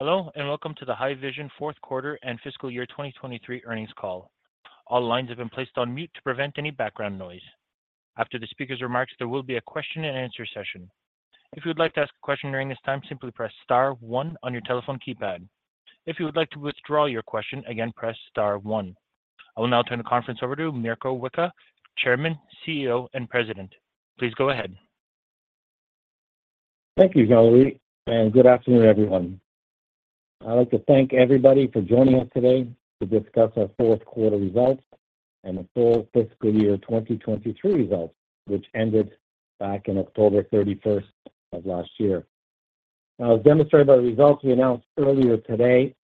Hello, and welcome to the Haivision 4Q and fiscal year 2023 earnings call. All lines have been placed on mute to prevent any background noise. After the speaker's remarks, there will be a question and answer session. If you would like to ask a question during this time, simply press star one on your telephone keypad. If you would like to withdraw your question again, press star one. I will now turn the conference over to Mirko Wicha, Chairman, CEO, and President. Please go ahead. Thank you, Valerie, and good afternoon, everyone. I'd like to thank everybody for joining us today to discuss our 4Q results and the full fiscal year 2023 results, which ended back in October 31 of last year. Now, as demonstrated by the results we announced earlier today,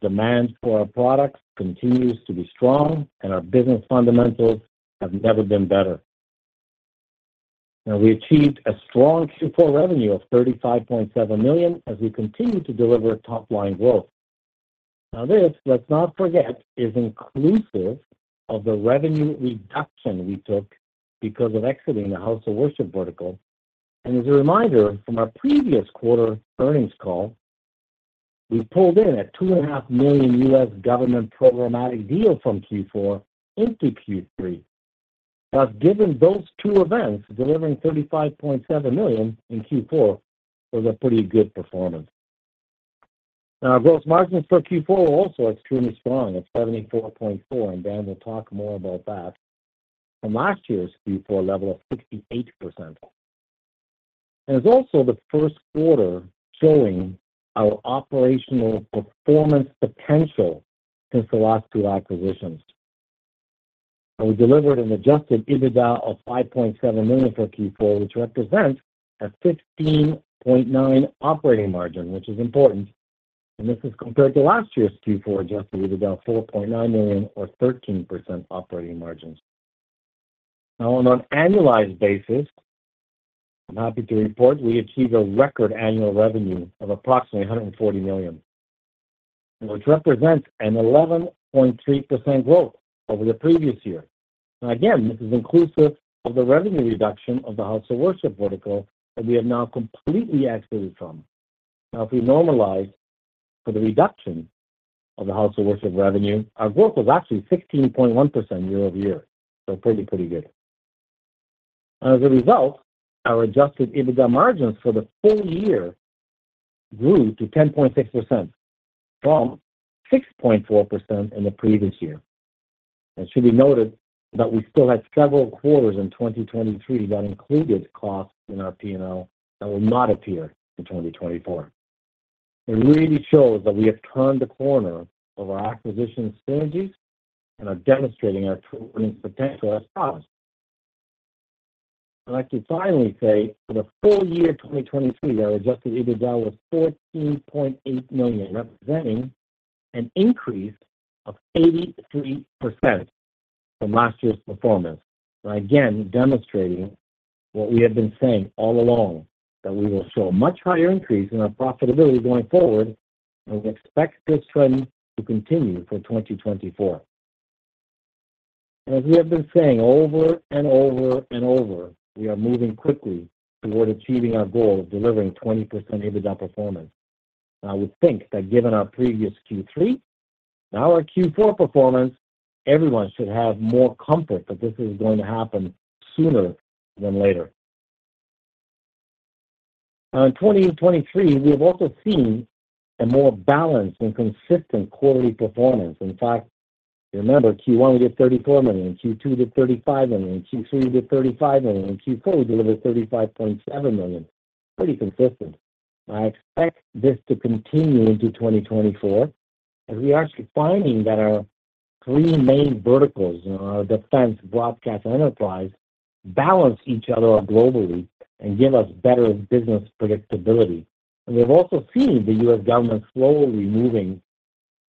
demand for our products continues to be strong, and our business fundamentals have never been better. Now, we achieved a strong Q4 revenue of $ 35.7 million as we continue to deliver top-line growth. Now this, let's not forget, is inclusive of the revenue reduction we took because of exiting the house of worship vertical. And as a reminder from our previous quarter earnings call, we pulled in a $2.5 million U.S. government programmatic deal from Q4 into Q3. Now, given those two events, delivering $ 35.7 million in Q4 was a pretty good performance. Now, gross margins for Q4 were also extremely strong at 74.4, and Dan will talk more about that, from last year's Q4 level of 68%. It's also the 1Q showing our operational performance potential since the last two acquisitions. We delivered an Adjusted EBITDA of $ 5.7 million for Q4, which represents a 15.9 operating margin, which is important. This is compared to last year's Q4 Adjusted EBITDA $ 4.9 million or 13% operating margins. Now, on an annualized basis, I'm happy to report we achieved a record annual revenue of approximately $ 140 million, which represents an 11.3% growth over the previous year. Now, again, this is inclusive of the revenue reduction of the house of worship vertical that we have now completely exited from. Now, if we normalize for the reduction of the house of worship revenue, our growth was actually 16.1% year-over-year, so pretty, pretty good. As a result, our Adjusted EBITDA margins for the full year grew to 10.6% from 6.4% in the previous year. It should be noted that we still had several quarters in 2023 that included costs in our P&L that will not appear in 2024. It really shows that we have turned the corner of our acquisition strategies and are demonstrating our true earnings potential as promised. I'd like to finally say, for the full year 2023, our Adjusted EBITDA was $ 14.8 million, representing an increase of 83% from last year's performance. Again, demonstrating what we have been saying all along, that we will show a much higher increase in our profitability going forward, and we expect this trend to continue for 2024. As we have been saying over and over and over, we are moving quickly toward achieving our goal of delivering 20% EBITDA performance. I would think that given our previous Q3, now our Q4 performance, everyone should have more comfort that this is going to happen sooner than later. Now, in 2023, we have also seen a more balanced and consistent quarterly performance. In fact, remember, Q1, we did $ 34 million, Q2 we did $ 35 million, Q3 we did $ 35 million, and Q4 we delivered $ 35.7 million. Pretty consistent. I expect this to continue into 2024 as we are finding that our three main verticals, our defense, broadcast, and enterprise, balance each other globally and give us better business predictability. We have also seen the U.S. government slowly moving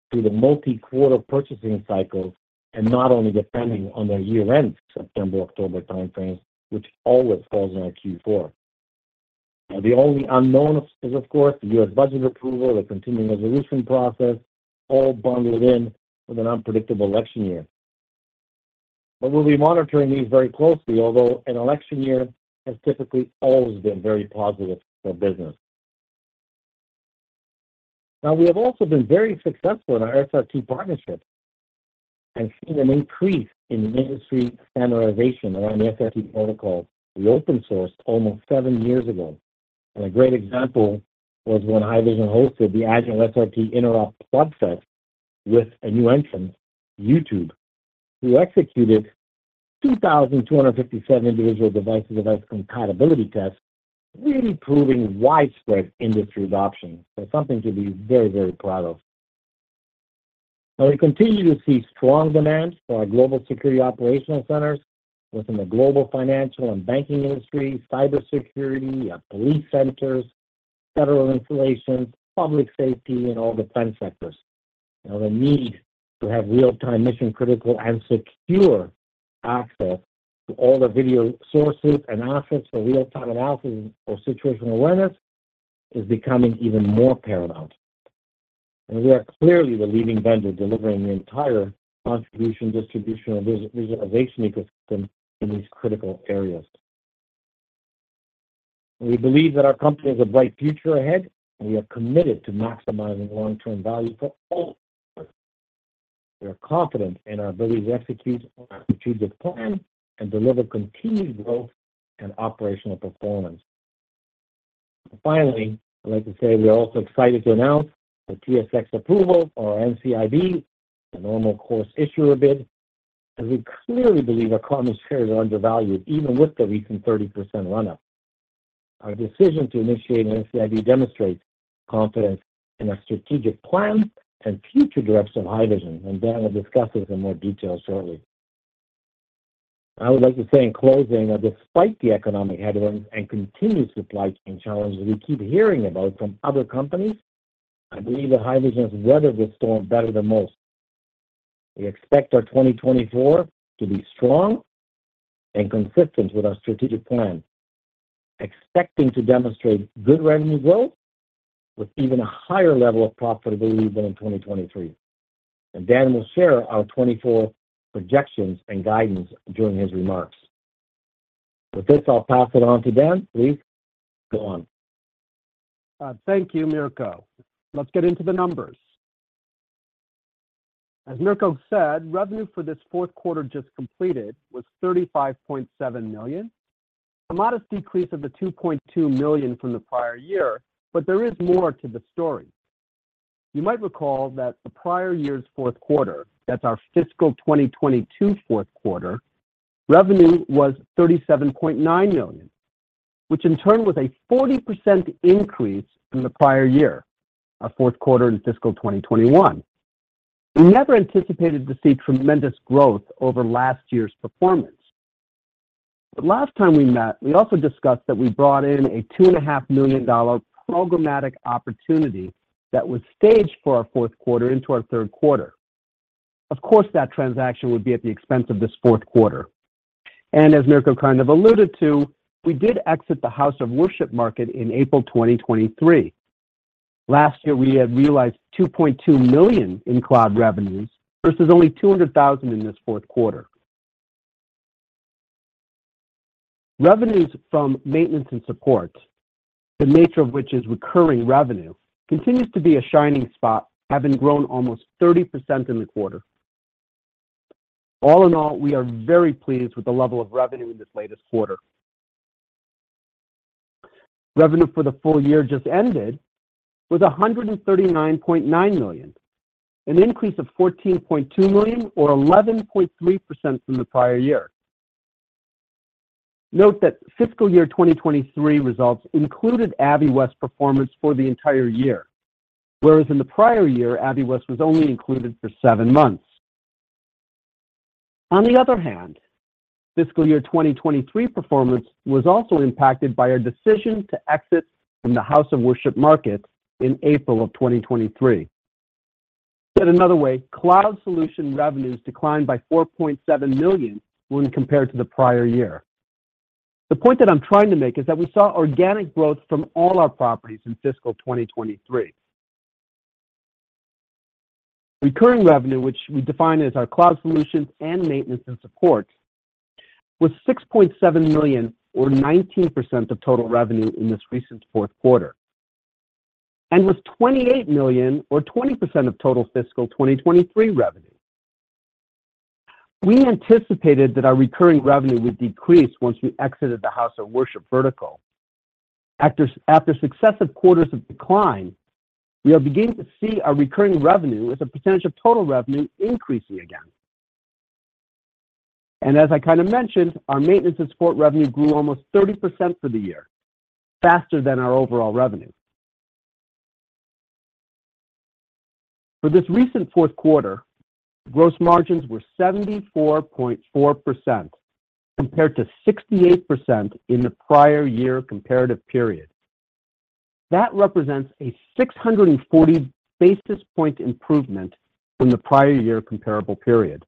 through the multi-quarter purchasing cycles and not only depending on their year-end, September-October timeframes, which always falls in our Q4. Now, the only unknown is, of course, the U.S. budget approval, the continuing resolution process, all bundled in with an unpredictable election year. But we'll be monitoring these very closely, although an election year has typically always been very positive for business. Now, we have also been very successful in our SRT partnerships and seen an increase in industry standardization around the SRT protocol we open-sourced almost seven years ago. A great example was when Haivision hosted the Agile SRT Interop Plugfest with a new entrant, YouTube, who executed 2,257 individual device-to-device compatibility tests, really proving widespread industry adoption. Something to be very, very proud of. Now, we continue to see strong demand for our global security operational centers within the global financial and banking industry, cybersecurity, our police centers, federal installations, public safety, and all defense sectors. Now, the need to have real-time, mission-critical, and secure access to all the video sources and assets for real-time analysis or situational awareness is becoming even more paramount. And we are clearly the leading vendor delivering the entire contribution, distribution, and reservation ecosystem in these critical areas.... We believe that our company has a bright future ahead, and we are committed to maximizing long-term value for all. We are confident in our ability to execute our strategic plan and deliver continued growth and operational performance. Finally, I'd like to say we are also excited to announce the TSX approval for our NCIB, a normal course issuer bid, as we clearly believe our common shares are undervalued, even with the recent 30% run-up. Our decision to initiate an NCIB demonstrates confidence in our strategic plan and future direction of Haivision, and Dan will discuss this in more detail shortly. I would like to say in closing that despite the economic headwinds and continued supply chain challenges we keep hearing about from other companies, I believe that Haivision has weathered the storm better than most. We expect our 2024 to be strong and consistent with our strategic plan, expecting to demonstrate good revenue growth with even a higher level of profitability than in 2023. Dan will share our 2024 projections and guidance during his remarks. With this, I'll pass it on to Dan. Please, go on. Thank you, Mirko. Let's get into the numbers. As Mirko said, revenue for this 4Q just completed was $ 35.7 million, a modest decrease of $ 2.2 million from the prior year, but there is more to the story. You might recall that the prior year's 4Q, that's our fiscal 2022 4Q, revenue was $ 37.9 million, which in turn was a 40% increase from the prior year, our 4Q in fiscal 2021. We never anticipated to see tremendous growth over last year's performance. But last time we met, we also discussed that we brought in a $ 2.5 million dollar programmatic opportunity that was staged for our 4Q into our 3Q. Of course, that transaction would be at the expense of this 4Q. As Mirko kind of alluded to, we did exit the house of worship market in April 2023. Last year, we had realized $ 2.2 million in cloud revenues versus only $ 200,000 in this 4Q. Revenues from maintenance and support, the nature of which is recurring revenue, continues to be a shining spot, having grown almost 30% in the quarter. All in all, we are very pleased with the level of revenue in this latest quarter. Revenue for the full year just ended was $ 139.9 million, an increase of $ 14.2 million or 11.3% from the prior year. Note that fiscal year 2023 results included Aviwest's performance for the entire year, whereas in the prior year, Aviwest was only included for seven months. On the other hand, fiscal year 2023 performance was also impacted by our decision to exit from the house of worship market in April 2023. Said another way, cloud solution revenues declined by $ 4.7 million when compared to the prior year. The point that I'm trying to make is that we saw organic growth from all our properties in fiscal 2023. Recurring revenue, which we define as our cloud solutions and maintenance and support, was $ 6.7 million, or 19% of total revenue in this recent 4Q, and was $ 28 million, or 20% of total fiscal 2023 revenue. We anticipated that our recurring revenue would decrease once we exited the house of worship vertical. After successive quarters of decline, we are beginning to see our recurring revenue as a percentage of total revenue increasing again. As I kind of mentioned, our maintenance and support revenue grew almost 30% for the year, faster than our overall revenue. For this recent 4Q, gross margins were 74.4%, compared to 68% in the prior year comparative period. That represents a 640 basis point improvement from the prior year comparable period.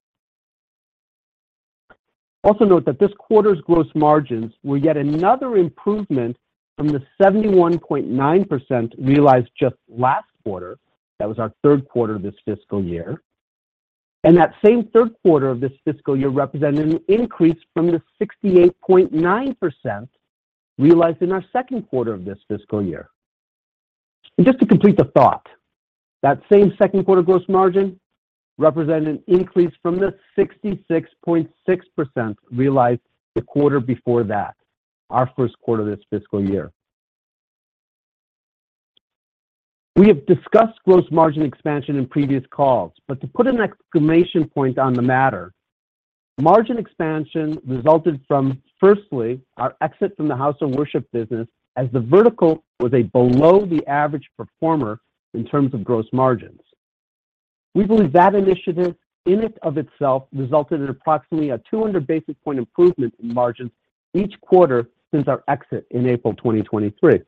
Also note that this quarter's gross margins were yet another improvement from the 71.9% realized just last quarter. That was our 3Q of this fiscal year, and that same 3Q of this fiscal year represented an increase from the 68.9% realized in our 2Q of this fiscal year. Just to complete the thought, that same 2Q gross margin represented an increase from the 66.6% realized the quarter before that, our 1Q of this fiscal year. We have discussed gross margin expansion in previous calls, but to put an exclamation point on the matter, margin expansion resulted from, firstly, our exit from the house of worship business as the vertical was a below-the-average performer in terms of gross margins. We believe that initiative in and of itself resulted in approximately a 200 basis point improvement in margins each quarter since our exit in April 2023.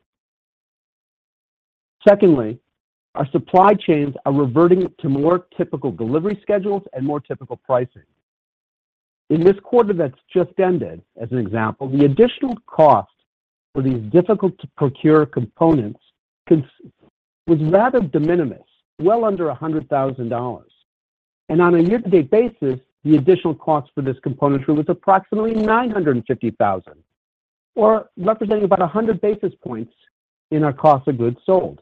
Secondly, our supply chains are reverting to more typical delivery schedules and more typical pricing. In this quarter that's just ended, as an example, the additional cost for these difficult-to-procure components was rather de minimis, well under $100,000. On a year-to-date basis, the additional cost for this componentry was approximately $950,000, or representing about 100 basis points in our cost of goods sold.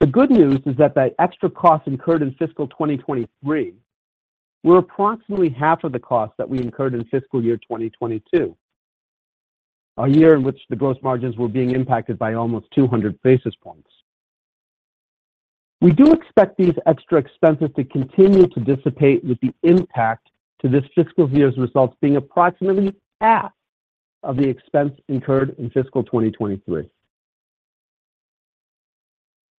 The good news is that the extra costs incurred in fiscal 2023 were approximately half of the cost that we incurred in fiscal year 2022, a year in which the gross margins were being impacted by almost 200 basis points. We do expect these extra expenses to continue to dissipate, with the impact to this fiscal year's results being approximately half of the expense incurred in fiscal 2023.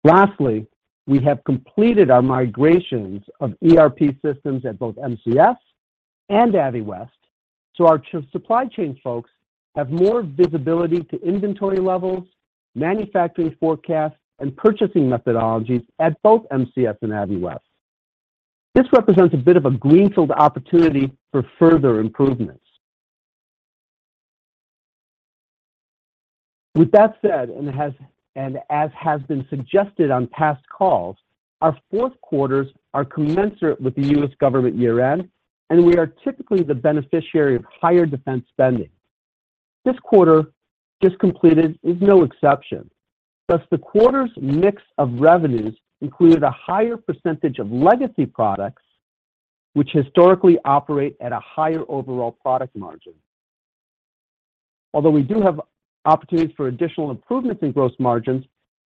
Lastly, we have completed our migrations of ERP systems at both MCS and Aviwest, so our supply chain folks have more visibility to inventory levels, manufacturing forecasts, and purchasing methodologies at both MCS and Aviwest. This represents a bit of a greenfield opportunity for further improvements. With that said, as has been suggested on past calls, our 4Qs are commensurate with the U.S. government year-end, and we are typically the beneficiary of higher defense spending. This quarter just completed is no exception. Thus, the quarter's mix of revenues included a higher percentage of legacy products, which historically operate at a higher overall product margin. Although we do have opportunities for additional improvements in gross margins,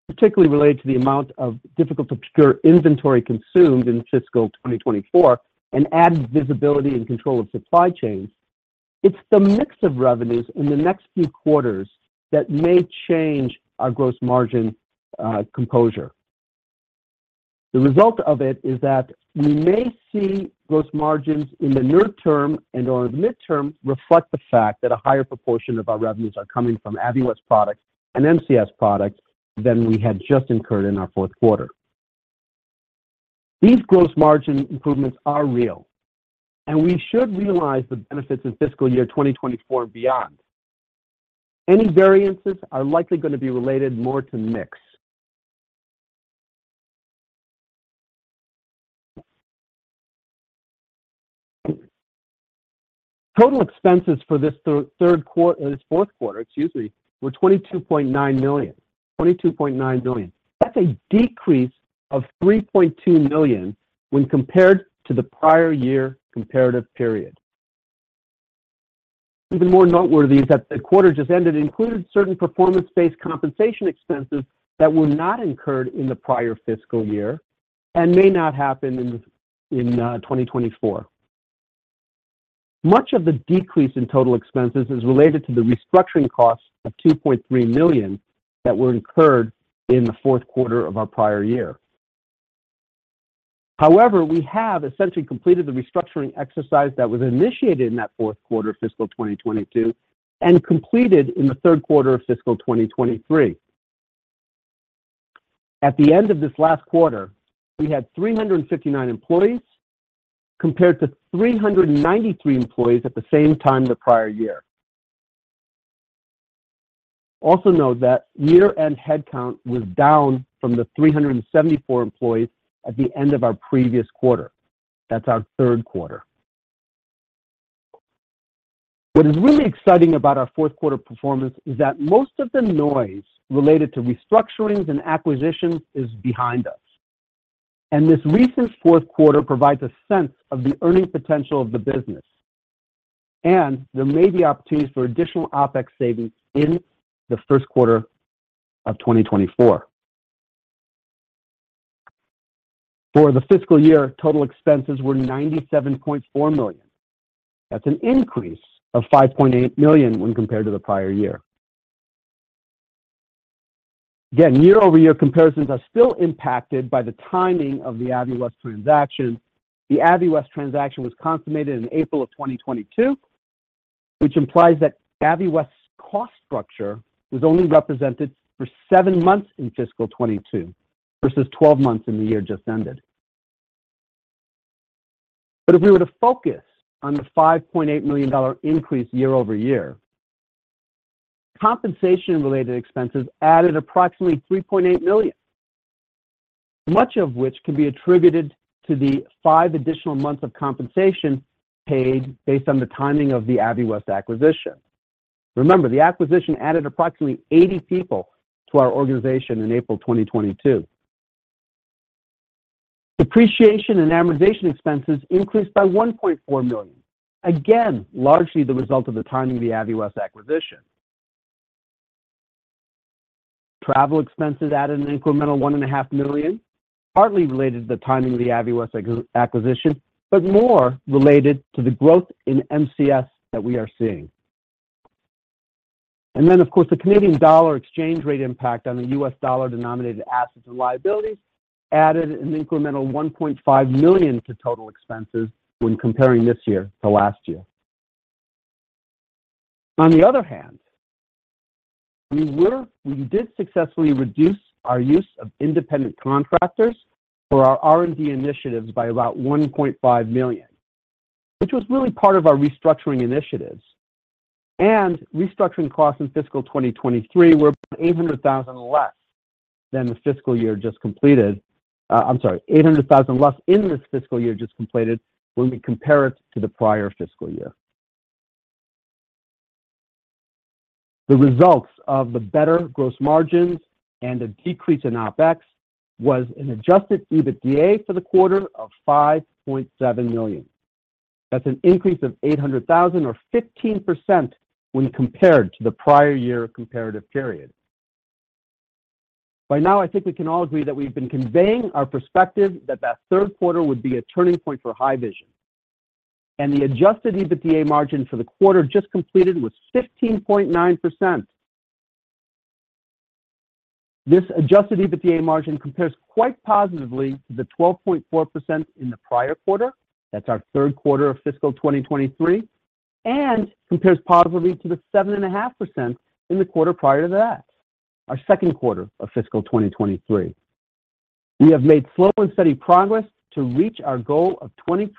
particularly related to the amount of difficult to procure inventory consumed in fiscal 2024 and added visibility and control of supply chains, it's the mix of revenues in the next few quarters that may change our gross margin composure. The result of it is that we may see gross margins in the near term and/or the midterm reflect the fact that a higher proportion of our revenues are coming from Aviwest products and MCS products than we had just incurred in our 4Q. These gross margin improvements are real, and we should realize the benefits in fiscal year 2024 and beyond. Any variances are likely going to be related more to mix. Total expenses for this 3Q, this 4Q, excuse me, were $ 22.9 million. $ 22.9 million. That's a decrease of $ 3.2 million when compared to the prior year comparative period. Even more noteworthy is that the quarter just ended included certain performance-based compensation expenses that were not incurred in the prior fiscal year and may not happen in 2024. Much of the decrease in total expenses is related to the restructuring costs of $ 2.3 million that were incurred in the 4Q of our prior year. However, we have essentially completed the restructuring exercise that was initiated in that 4Q of fiscal 2022 and completed in the 3Q of fiscal 2023. At the end of this last quarter, we had 359 employees, compared to 393 employees at the same time the prior year. Also note that year-end headcount was down from the 374 employees at the end of our previous quarter. That's our 3Q. What is really exciting about our 4Q performance is that most of the noise related to restructurings and acquisitions is behind us, and this recent 4Q provides a sense of the earning potential of the business. There may be opportunities for additional OpEx savings in the 1Q of 2024. For the fiscal year, total expenses were $97.4 million. That's an increase of $5.8 million when compared to the prior year. Again, year-over-year comparisons are still impacted by the timing of the Aviwest transaction. The Aviwest transaction was consummated in April of 2022, which implies that Aviwest's cost structure was only represented for seven months in fiscal 2022 versus 12 months in the year just ended. If we were to focus on the $5.8 million increase year over year, compensation-related expenses added approximately $3.8 million, much of which can be attributed to the five additional months of compensation paid based on the timing of the Aviwest acquisition. Remember, the acquisition added approximately 80 people to our organization in April 2022. Depreciation and amortization expenses increased by $ 1.4 million. Again, largely the result of the timing of the Aviwest acquisition. Travel expenses added an incremental $ 1.5 million, partly related to the timing of the Aviwest acquisition, but more related to the growth in MCS that we are seeing. And then, of course, the Canadian dollar exchange rate impact on the U.S. dollar-denominated assets and liabilities added an incremental $ 1.5 million to total expenses when comparing this year to last year. On the other hand, we did successfully reduce our use of independent contractors for our R&D initiatives by about $ 1.5 million, which was really part of our restructuring initiatives. And restructuring costs in fiscal 2023 were about $ 800,000 less than the fiscal year just completed. I'm sorry, $ 800,000 less in this fiscal year just completed when we compare it to the prior fiscal year. The results of the better gross margins and a decrease in OpEx was an adjusted EBITDA for the quarter of $ 5.7 million. That's an increase of $ 800,000 or 15% when compared to the prior year comparative period. By now, I think we can all agree that we've been conveying our perspective that that 3Q would be a turning point for Haivision, and the adjusted EBITDA margin for the quarter just completed was 15.9%. This adjusted EBITDA margin compares quite positively to the 12.4% in the prior quarter. That's our 3Q of fiscal 2023, and compares positively to the 7.5% in the quarter prior to that, our 2Q of fiscal 2023. We have made slow and steady progress to reach our goal of 20%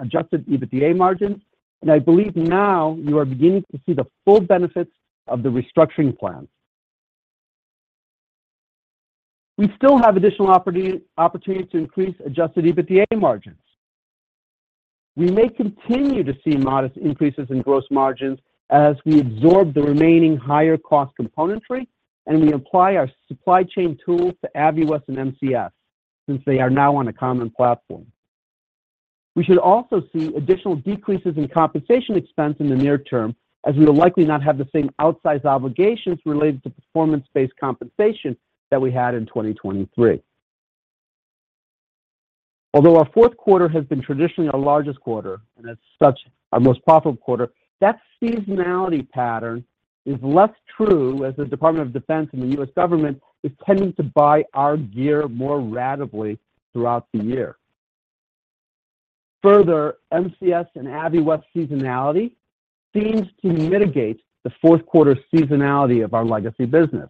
Adjusted EBITDA margin, and I believe now you are beginning to see the full benefits of the restructuring plan. We still have additional opportunities to increase Adjusted EBITDA margins. We may continue to see modest increases in gross margins as we absorb the remaining higher-cost componentry, and we apply our supply chain tools to Aviwest and MCS, since they are now on a common platform. We should also see additional decreases in compensation expense in the near term, as we will likely not have the same outsized obligations related to performance-based compensation that we had in 2023. Although our 4Q has been traditionally our largest quarter, and as such, our most profitable quarter, that seasonality pattern is less true as the Department of Defense and the U.S. government is tending to buy our gear more ratably throughout the year. Further, MCS and Aviwest seasonality seems to mitigate the 4Q seasonality of our legacy business.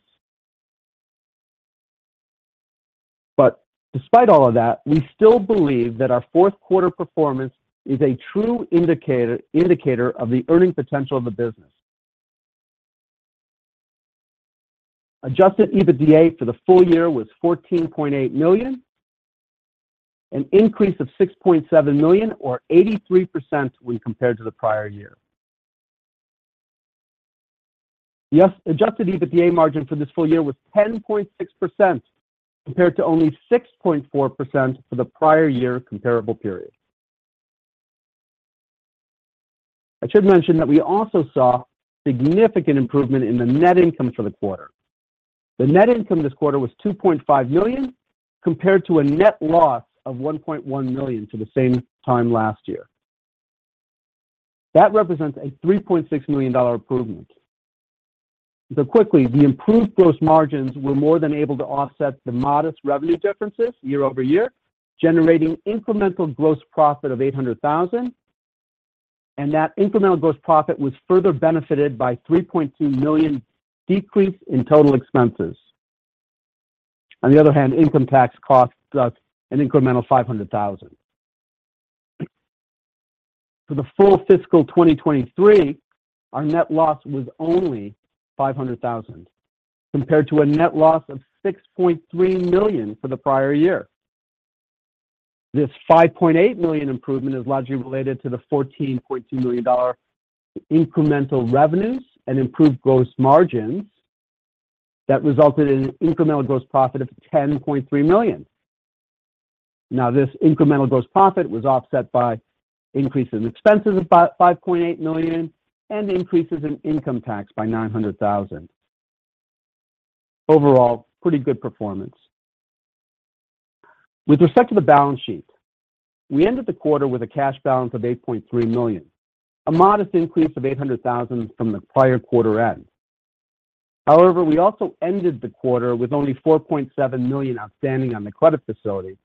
But despite all of that, we still believe that our 4Q performance is a true indicator of the earning potential of the business. Adjusted EBITDA for the full year was $ 14.8 million, an increase of $ 6.7 million, or 83% when compared to the prior year. The adjusted EBITDA margin for this full year was 10.6%, compared to only 6.4% for the prior year comparable period. I should mention that we also saw significant improvement in the net income for the quarter. The net income this quarter was $2.5 million, compared to a net loss of $1.1 million for the same time last year. That represents a $3.6 million improvement. So quickly, the improved gross margins were more than able to offset the modest revenue differences year-over-year, generating incremental gross profit of $800,000, and that incremental gross profit was further benefited by $3.2 million decrease in total expenses. On the other hand, income tax cost us an incremental $500,000. For the full fiscal 2023, our net loss was only $500,000, compared to a net loss of $6.3 million for the prior year. This $5.8 million improvement is largely related to the $14.2 million incremental revenues and improved gross margins that resulted in an incremental gross profit of $10.3 million. Now, this incremental gross profit was offset by increases in expenses, about $5.8 million, and increases in income tax by $900,000. Overall, pretty good performance. With respect to the balance sheet, we ended the quarter with a cash balance of $8.3 million, a modest increase of $800,000 from the prior quarter end. However, we also ended the quarter with only $4.7 million outstanding on the credit facility.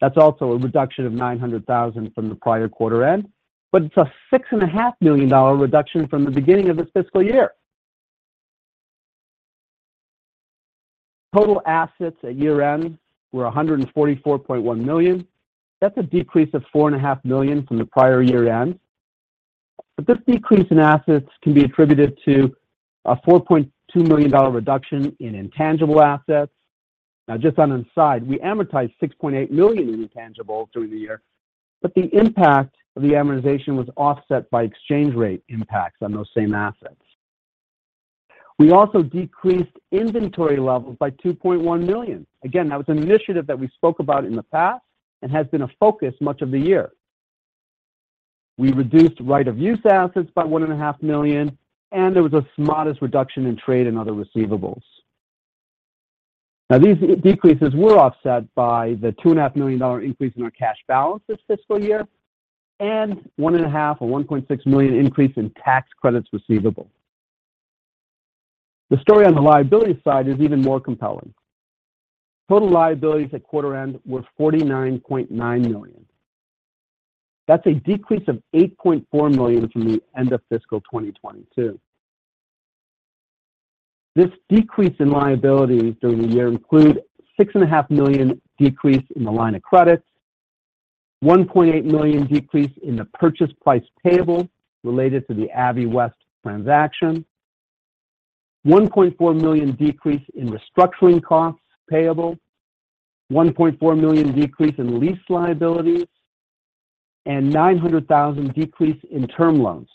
That's also a reduction of $900,000 from the prior quarter end, but it's a $6.5 million reduction from the beginning of this fiscal year. Total assets at year-end were $ 144.1 million. That's a decrease of $ 4.5 million from the prior year-end. This decrease in assets can be attributed to a $ 4.2 million reduction in intangible assets. Now, just on the side, we amortized $ 6.8 million in intangibles during the year, but the impact of the amortization was offset by exchange rate impacts on those same assets. We also decreased inventory levels by $ 2.1 million. Again, that was an initiative that we spoke about in the past and has been a focus much of the year. We reduced right of use assets by $ 1.5 million, and there was a modest reduction in trade and other receivables. Now, these decreases were offset by the $ 2.5 million increase in our cash balance this fiscal year, and $ 1.5 or 1.6 million increase in tax credits receivable. The story on the liability side is even more compelling. Total liabilities at quarter end were $ 49.9 million. That's a decrease of $ 8.4 million from the end of fiscal 2022.... This decrease in liabilities during the year include $ 6.5 million decrease in the line of credit, $ 1.8 million decrease in the purchase price payable related to the Aviwest transaction, $ 1.4 million decrease in restructuring costs payable, $ 1.4 million decrease in lease liabilities, and $ 900,000 decrease in term loans.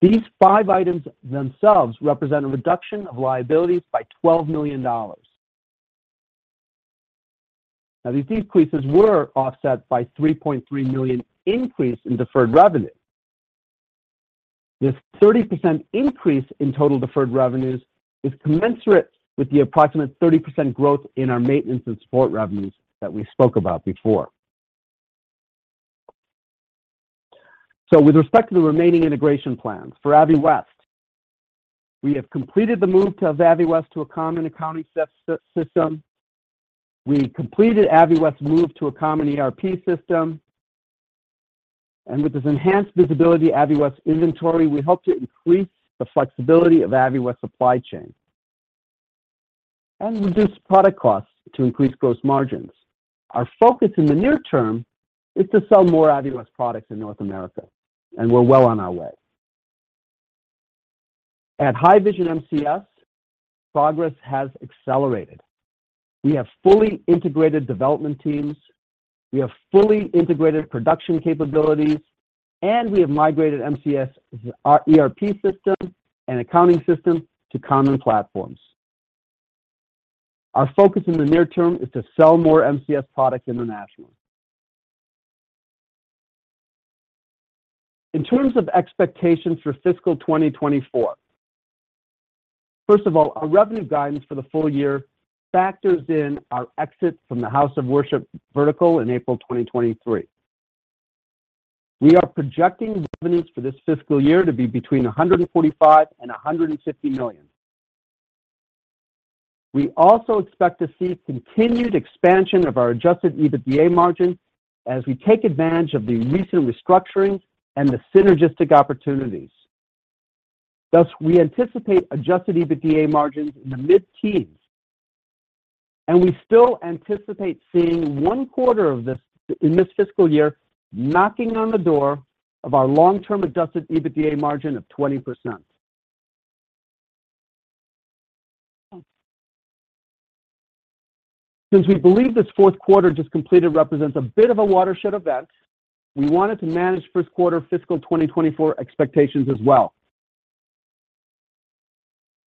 These five items themselves represent a reduction of liabilities by $ 12 million. Now, these decreases were offset by $ 3.3 million increase in deferred revenue. This 30% increase in total deferred revenues is commensurate with the approximate 30% growth in our maintenance and support revenues that we spoke about before. So with respect to the remaining integration plans, for Aviwest, we have completed the move to Aviwest to a common accounting system. We completed Aviwest's move to a common ERP system, and with this enhanced visibility Aviwest inventory, we hope to increase the flexibility of Aviwest supply chain and reduce product costs to increase gross margins. Our focus in the near term is to sell more Aviwest products in North America, and we're well on our way. At Haivision MCS, progress has accelerated. We have fully integrated development teams, we have fully integrated production capabilities, and we have migrated MCS, our ERP system and accounting system to common platforms. Our focus in the near term is to sell more MCS products internationally. In terms of expectations for fiscal 2024, first of all, our revenue guidance for the full year factors in our exit from the House of Worship vertical in April 2023. We are projecting revenues for this fiscal year to be between $ 145 million and $ 150 million. We also expect to see continued expansion of our Adjusted EBITDA margin as we take advantage of the recent restructuring and the synergistic opportunities. Thus, we anticipate Adjusted EBITDA margins in the mid-teens, and we still anticipate seeing one quarter of this in this fiscal year, knocking on the door of our long-term Adjusted EBITDA margin of 20%. Since we believe this 4Q just completed represents a bit of a watershed event, we wanted to manage 1Q fiscal 2024 expectations as well.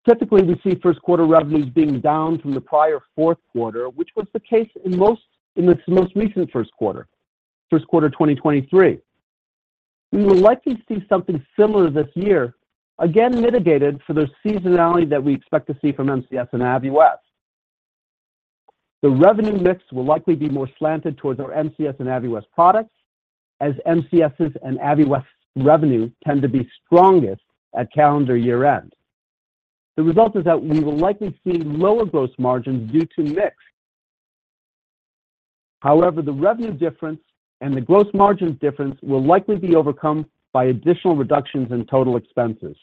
Typically, we see 1Q revenues being down from the prior 4Q, which was the case in this most recent 1Q, 1Q 2023. We will likely see something similar this year, again, mitigated for the seasonality that we expect to see from MCS and Aviwest. The revenue mix will likely be more slanted towards our MCS and Aviwest products, as MCS's and Aviwest's revenue tend to be strongest at calendar year-end. The result is that we will likely see lower gross margins due to mix. However, the revenue difference and the gross margin difference will likely be overcome by additional reductions in total expenses.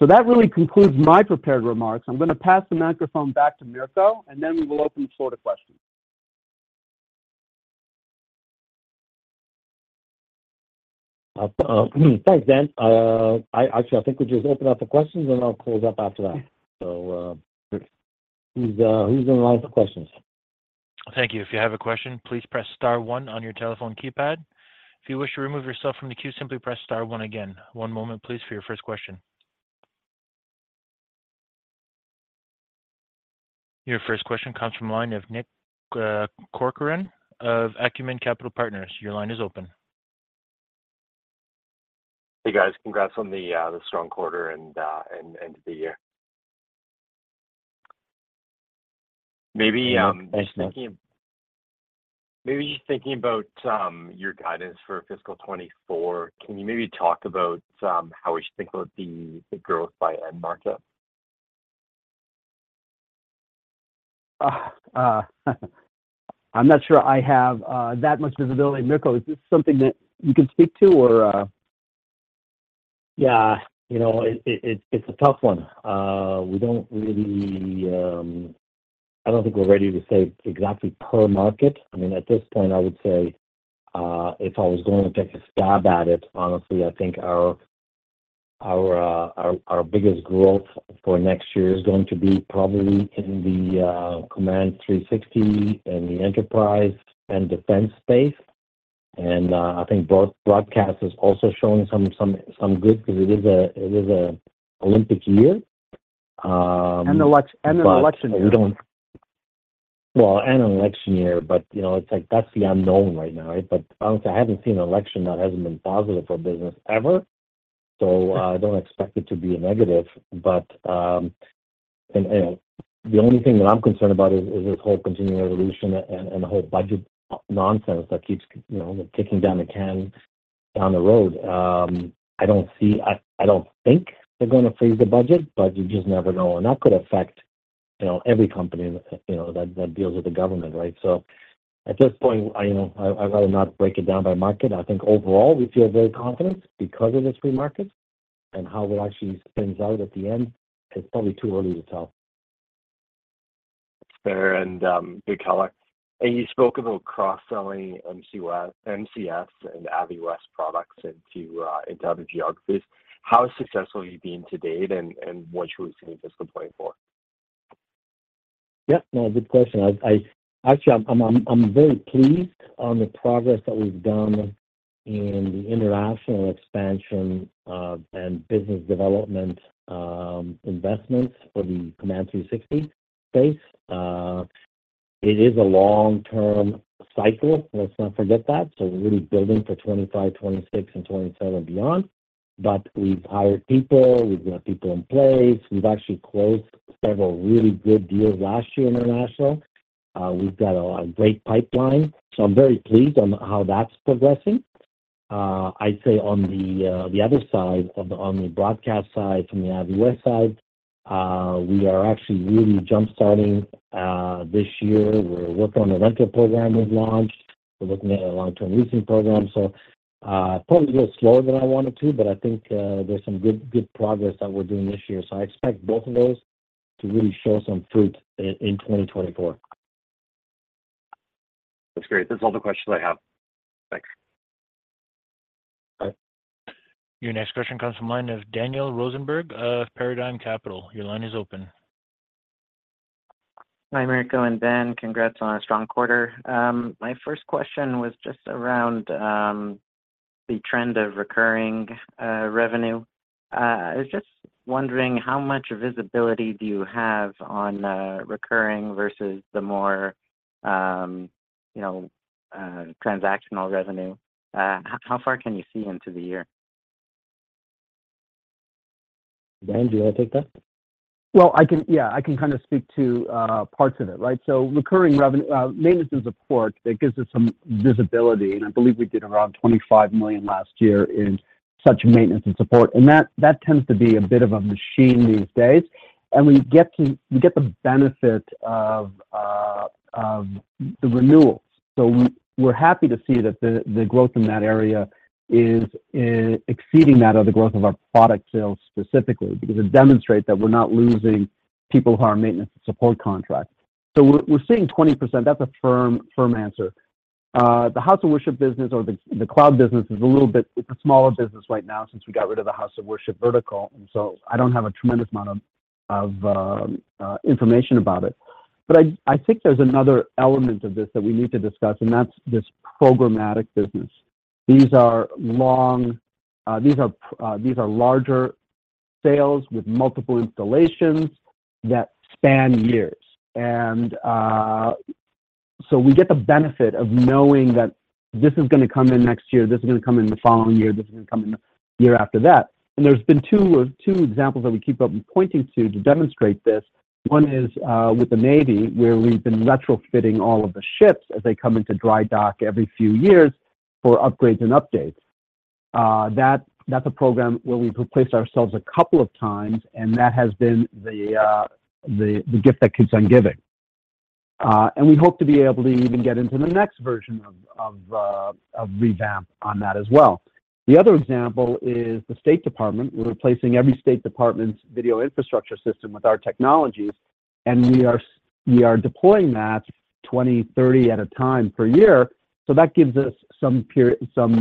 So that really concludes my prepared remarks. I'm going to pass the microphone back to Mirko, and then we will open the floor to questions. Thanks, Dan. Actually, I think we just open up the questions, and I'll close up after that. So, who's in line for questions? Thank you. If you have a question, please press star one on your telephone keypad. If you wish to remove yourself from the queue, simply press star one again. One moment, please, for your first question. Your first question comes from the line of Nick Corcoran of Acumen Capital Partners. Your line is open. Hey, guys. Congrats on the strong quarter and the year. Maybe, Thanks, Nick. Maybe just thinking about your guidance for fiscal 2024, can you maybe talk about how we should think about the growth by end market? I'm not sure I have that much visibility. Mirko, is this something that you can speak to or...? Yeah, you know, it's a tough one. We don't really... I don't think we're ready to say exactly per market. I mean, at this point, I would say, if I was going to take a stab at it, honestly, I think our biggest growth for next year is going to be probably in the Command 360 and the enterprise and defense space. And I think broadcast is also showing some good because it is a Olympic year. And election, and an election year. Well, and an election year, but, you know, it's like, that's the unknown right now, right? But honestly, I haven't seen an election that hasn't been positive for business ever, so, I don't expect it to be a negative. But, and, and the only thing that I'm concerned about is this whole continuing resolution and, and the whole budget nonsense that keeps, you know, kicking down the can down the road. I don't see. I don't think they're going to freeze the budget, but you just never know, and that could affect, you know, every company, you know, that, that deals with the government, right? So at this point, I, you know, I'd rather not break it down by market. I think overall, we feel very confident because of this free market and how it actually spins out at the end. It's probably too early to tell. Fair, and good color. And you spoke about cross-selling MCS and Aviwest products into other geographies. How successful have you been to date, and what should we see at this point for? Yeah, no, good question. Actually, I'm very pleased on the progress that we've done in the international expansion and business development investments for the Command 360 space. It is a long-term cycle, let's not forget that. So we're really building for 2025, 2026, and 2027 and beyond. But we've hired people, we've got people in place. We've actually closed several really good deals last year, international. We've got a great pipeline, so I'm very pleased on how that's progressing. I'd say on the other side, on the broadcast side, from the Aviwest side, we are actually really jump-starting this year. We're working on a rental program we've launched. We're looking at a long-term leasing program, so, probably a little slower than I wanted to, but I think, there's some good, good progress that we're doing this year. So I expect both of those to really show some fruit in 2024. That's great. That's all the questions I have. Thanks. Bye. Your next question comes from the line of Daniel Rosenberg of Paradigm Capital. Your line is open. Hi, Mirko and Dan. Congrats on a strong quarter. My first question was just around the trend of recurring revenue. I was just wondering, how much visibility do you have on recurring versus the more, you know, transactional revenue? How far can you see into the year? Dan, do you want to take that? Well, I can. Yeah, I can kind of speak to parts of it, right? So recurring revenue, maintenance and support, that gives us some visibility, and I believe we did around $ 25 million last year in such maintenance and support. And that tends to be a bit of a machine these days, and we get the benefit of the renewals. So we're happy to see that the growth in that area is exceeding that of the growth of our product sales specifically, because it demonstrates that we're not losing people who are maintenance and support contracts. So we're seeing 20%. That's a firm, firm answer. The House of Worship business or the, the cloud business is a little bit, it's a smaller business right now since we got rid of the House of Worship vertical, and so I don't have a tremendous amount of, of, information about it. But I, I think there's another element of this that we need to discuss, and that's this programmatic business. These are long, these are, these are larger sales with multiple installations that span years. And, so we get the benefit of knowing that this is gonna come in next year, this is gonna come in the following year, this is gonna come in the year after that. And there's been two, two examples that we keep on pointing to, to demonstrate this. One is with the Navy, where we've been retrofitting all of the ships as they come into dry dock every few years for upgrades and updates. That's a program where we've replaced ourselves a couple of times, and that has been the gift that keeps on giving. And we hope to be able to even get into the next version of revamp on that as well. The other example is the State Department. We're replacing every State Department's video infrastructure system with our technologies, and we are deploying that 20, 30 at a time per year. So that gives us some period, some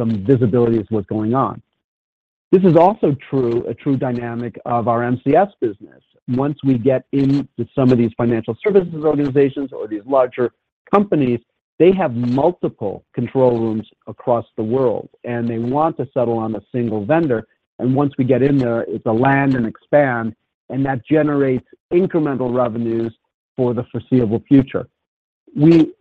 visibility of what's going on. This is also a true dynamic of our MCS business. Once we get into some of these financial services organizations or these larger companies, they have multiple control rooms across the world, and they want to settle on a single vendor, and once we get in there, it's a land and expand, and that generates incremental revenues for the foreseeable future. We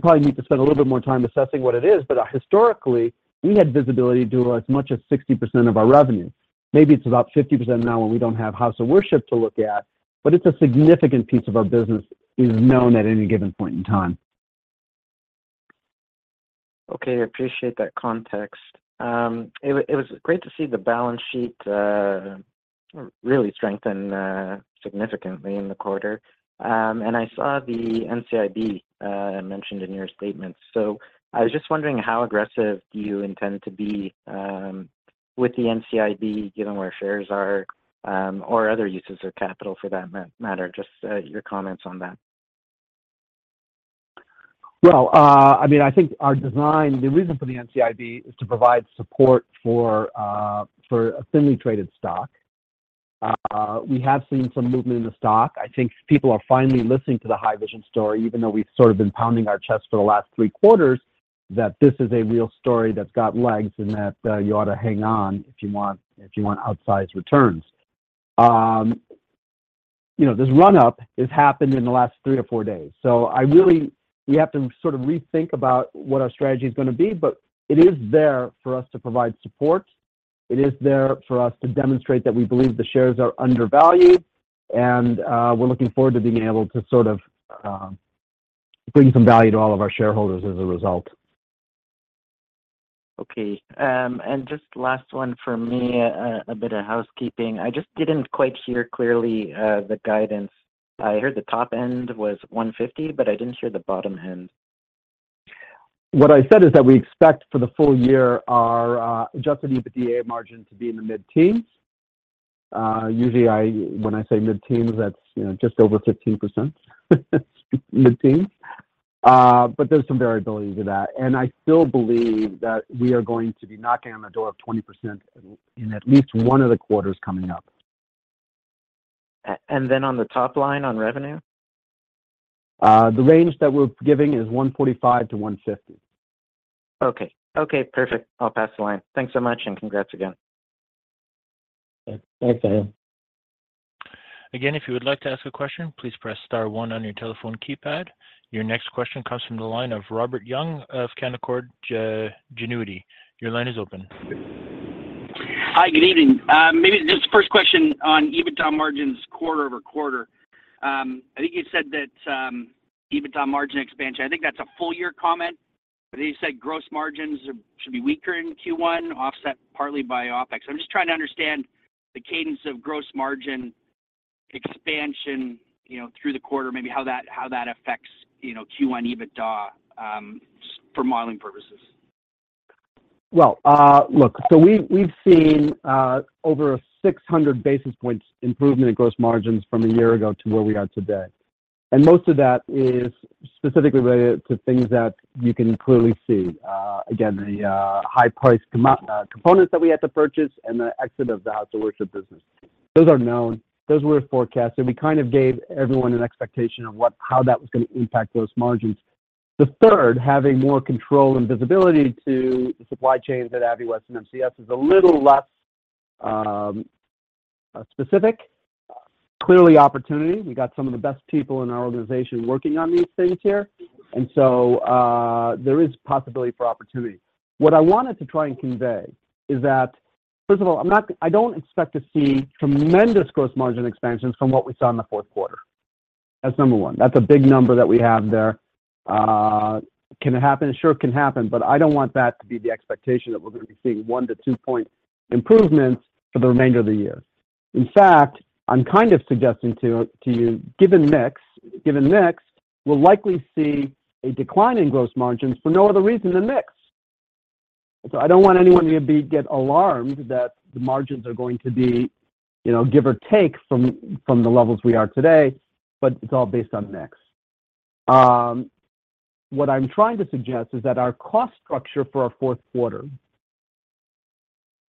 probably need to spend a little bit more time assessing what it is, but historically, we had visibility to do as much as 60% of our revenue. Maybe it's about 50% now when we don't have House of Worship to look at, but it's a significant piece of our business is known at any given point in time. Okay, I appreciate that context. It was great to see the balance sheet really strengthen significantly in the quarter. And I saw the NCIB mentioned in your statements. So I was just wondering, how aggressive do you intend to be with the NCIB, given where shares are, or other uses of capital for that matter? Just your comments on that. Well, I mean, I think our design, the reason for the NCIB is to provide support for a thinly traded stock. We have seen some movement in the stock. I think people are finally listening to the Haivision story, even though we've sort of been pounding our chest for the last three quarters, that this is a real story that's got legs and that you ought to hang on if you want, if you want outsized returns. You know, this run-up has happened in the last three or four days, so I really we have to sort of rethink about what our strategy is gonna be, but it is there for us to provide support. It is there for us to demonstrate that we believe the shares are undervalued, and we're looking forward to being able to sort of bring some value to all of our shareholders as a result.... Okay, and just last one for me, a bit of housekeeping. I just didn't quite hear clearly the guidance. I heard the top end was 150, but I didn't hear the bottom end. What I said is that we expect for the full year, our adjusted EBITDA margin to be in the mid-teens. Usually I—when I say mid-teens, that's, you know, just over 15%, mid-teens. But there's some variability to that, and I still believe that we are going to be knocking on the door of 20% in at least one of the quarters coming up. And then on the top line, on revenue? The range that we're giving is $ 145-$ 150. Okay. Okay, perfect. I'll pass the line. Thanks so much, and congrats again. Thanks, Daniel. Again, if you would like to ask a question, please press star one on your telephone keypad. Your next question comes from the line of Robert Young of Canaccord Genuity. Your line is open. Hi, good evening. Maybe just first question on EBITDA margins quarter-over-quarter. I think you said that, EBITDA margin expansion, I think that's a full year comment. But then you said gross margins are should be weaker in Q1, offset partly by OpEx. I'm just trying to understand the cadence of gross margin expansion, you know, through the quarter, maybe how that, how that affects, you know, Q1 EBITDA, for modeling purposes. Well, look, so we've seen over 600 basis points improvement in gross margins from a year ago to where we are today. And most of that is specifically related to things that you can clearly see. Again, the high-priced components that we had to purchase and the exit of the house of worship business. Those are known, those were forecasted. We kind of gave everyone an expectation of how that was gonna impact those margins. The third, having more control and visibility to the supply chains at Aviwest and MCS is a little less specific. Clearly opportunity. We got some of the best people in our organization working on these things here, and so there is possibility for opportunity. What I wanted to try and convey is that, first of all, I'm not—I don't expect to see tremendous gross margin expansions from what we saw in the 4Q. That's number one. That's a big number that we have there. Can it happen? Sure, it can happen, but I don't want that to be the expectation that we're gonna be seeing 1-2 point improvements for the remainder of the year. In fact, I'm kind of suggesting to you, given mix, given mix, we'll likely see a decline in gross margins for no other reason than mix. So I don't want anyone to be—get alarmed that the margins are going to be, you know, give or take from the levels we are today, but it's all based on mix. What I'm trying to suggest is that our cost structure for our 4Q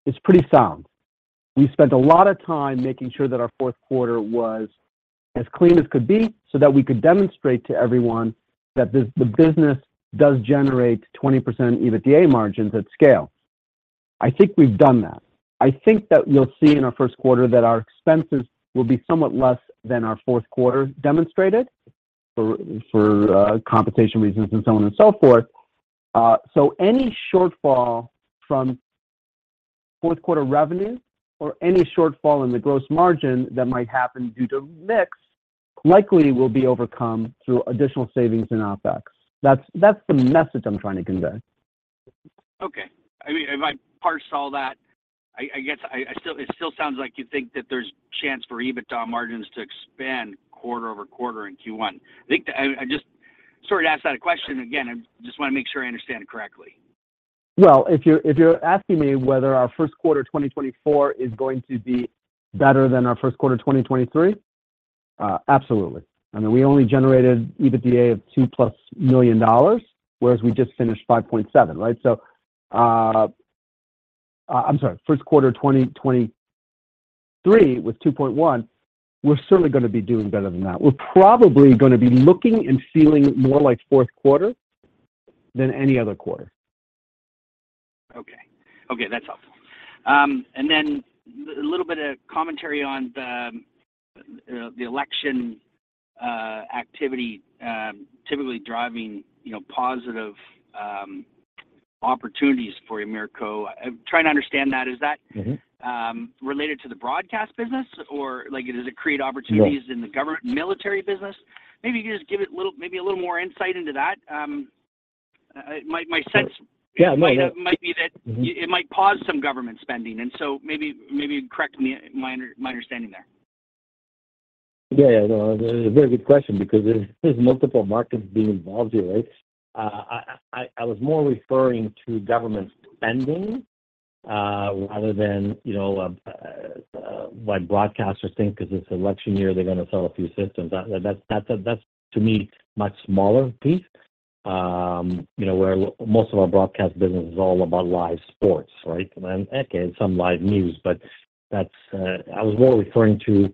is pretty sound. We spent a lot of time making sure that our 4Q was as clean as could be, so that we could demonstrate to everyone that this - the business does generate 20% EBITDA margins at scale. I think we've done that. I think that you'll see in our 1Q that our expenses will be somewhat less than our 4Q demonstrated for compensation reasons and so on and so forth. So any shortfall from 4Q revenue or any shortfall in the gross margin that might happen due to mix, likely will be overcome through additional savings in OpEx. That's the message I'm trying to convey. Okay. I mean, if I parsed all that, I guess I still - it still sounds like you think that there's chance for EBITDA margins to expand quarter-over-quarter in Q1. I think that. I just sorry to ask that question again, I just want to make sure I understand it correctly. Well, if you're, if you're asking me whether our 1Q 2024 is going to be better than our 1Q 2023? Absolutely. I mean, we only generated EBITDA of $ 2+ million, whereas we just finished 5.7, right? So, I'm sorry, 1Q 2023 was 2.1. We're certainly gonna be doing better than that. We're probably gonna be looking and feeling more like 4Q than any other quarter. Okay. Okay, that's helpful. And then a little bit of commentary on the election activity typically driving, you know, positive opportunities for Mirko. I'm trying to understand that. Is that- Mm-hmm... related to the broadcast business, or, like, does it create opportunities? No -in the government military business? Maybe you can just give it a little, maybe a little more insight into that. My sense- Yeah, might might be that Mm-hmm... it might pause some government spending, and so maybe correct me, my understanding there. Yeah, yeah. No, a very good question because there's multiple markets being involved here, right? I was more referring to government spending rather than, you know, like broadcasters think because it's an election year, they're gonna sell a few systems. That's, to me, much smaller piece. You know, where most of our broadcast business is all about live sports, right? And some live news, but that's... I was more referring to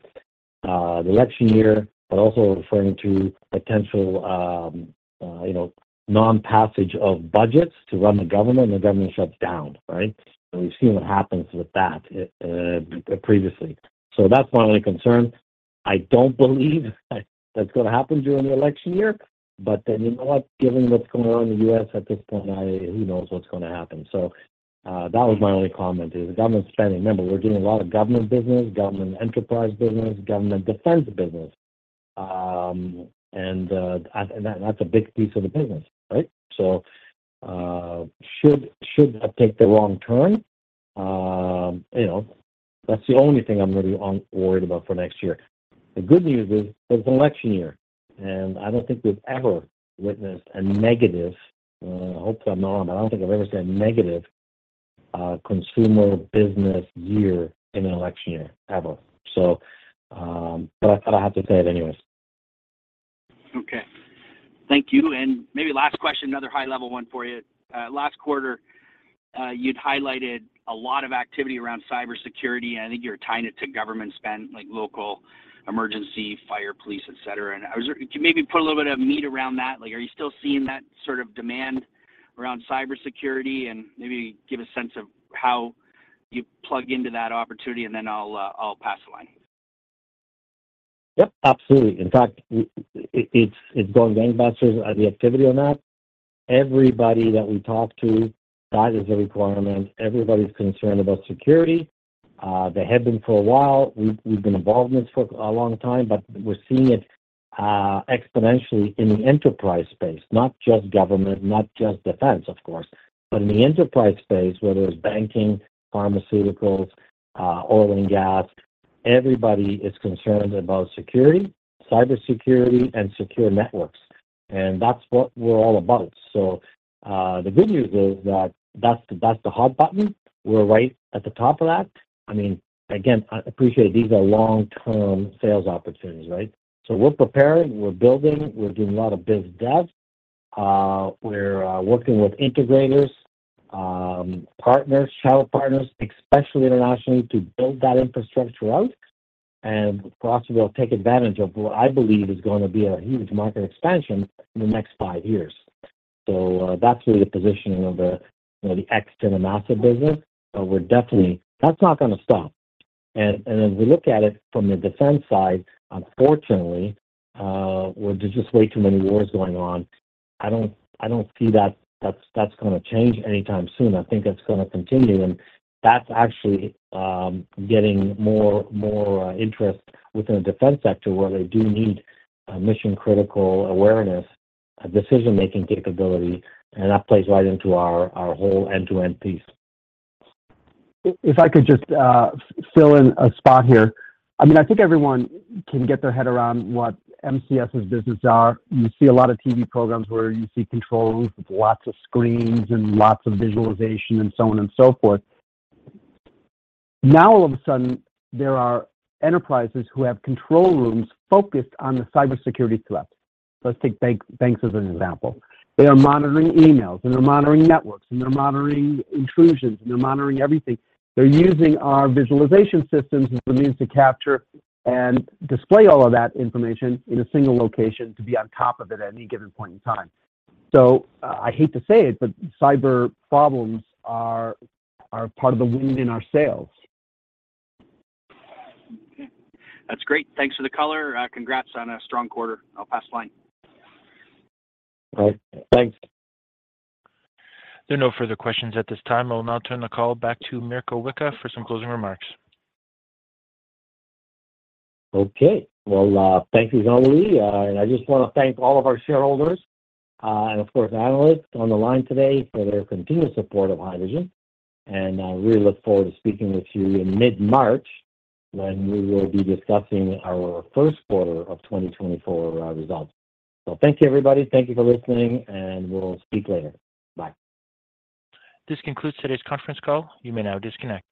the election year, but also referring to potential, you know, non-passage of budgets to run the government, and the government shuts down, right? And we've seen what happens with that previously. So that's my only concern. I don't believe that's gonna happen during the election year, but then, you know what? Given what's going on in the U.S. at this point, I—who knows what's gonna happen. So, that was my only comment, is the government spending. Remember, we're doing a lot of government business, government enterprise business, government defense business.... and that, that's a big piece of the business, right? So, should I take the wrong turn? You know, that's the only thing I'm really worried about for next year. The good news is, it's an election year, and I don't think we've ever witnessed a negative. I hope I'm wrong, but I don't think I've ever seen a negative consumer business year in an election year, ever. So, but I thought I had to say it anyways. Okay. Thank you, and maybe last question, another high level one for you. Last quarter, you'd highlighted a lot of activity around cybersecurity, and I think you're tying it to government spend, like local, emergency, fire, police, et cetera. Can you maybe put a little bit of meat around that? Like, are you still seeing that sort of demand around cybersecurity, and maybe give a sense of how you plug into that opportunity, and then I'll pass the line. Yep, absolutely. In fact, it's going gangbusters, the activity on that. Everybody that we talk to, that is a requirement. Everybody's concerned about security. They have been for a while. We've been involved in this for a long time, but we're seeing it exponentially in the enterprise space, not just government, not just defense, of course. But in the enterprise space, whether it's banking, pharmaceuticals, oil and gas, everybody is concerned about security, cybersecurity and secure networks. And that's what we're all about. So, the good news is that that's the hot button. We're right at the top of that. I mean, again, I appreciate these are long-term sales opportunities, right? So we're preparing, we're building, we're doing a lot of biz dev. We're working with integrators, partners, channel partners, especially internationally, to build that infrastructure out, and for us to be able take advantage of what I believe is gonna be a huge market expansion in the next five years. So, that's really the positioning of the, you know, the X to the massive business. But we're definitely... That's not gonna stop. And as we look at it from the defense side, unfortunately, well, there's just way too many wars going on. I don't see that- that's gonna change anytime soon. I think that's gonna continue, and that's actually getting more interest within the defense sector, where they do need a mission-critical awareness, a decision-making capability, and that plays right into our whole end-to-end piece. If I could just fill in a spot here. I mean, I think everyone can get their head around what MCS's business are. You see a lot of TV programs where you see control rooms with lots of screens and lots of visualization and so on and so forth. Now, all of a sudden, there are enterprises who have control rooms focused on the cybersecurity threat. Let's take bank, banks as an example. They are monitoring emails, and they're monitoring networks, and they're monitoring intrusions, and they're monitoring everything. They're using our visualization systems as the means to capture and display all of that information in a single location to be on top of it at any given point in time. So, I hate to say it, but cyber problems are part of the wind in our sails. Okay. That's great. Thanks for the color. Congrats on a strong quarter. I'll pass the line. All right, thanks. There are no further questions at this time. I will now turn the call back to Mirko Wicha for some closing remarks. Okay. Well, thank you, Valerie. And I just wanna thank all of our shareholders, and of course, analysts on the line today for their continued support of Haivision. I really look forward to speaking with you in mid-March, when we will be discussing our 1Q of 2024 results. So thank you, everybody. Thank you for listening, and we'll speak later. Bye. This concludes today's conference call. You may now disconnect.